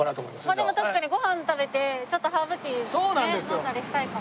まあでも確かにご飯食べてちょっとハーブティーね飲んだりしたいかも。